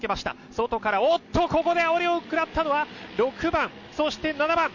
外から、おっと、ここであおりを食らったのは、６番、そして７番。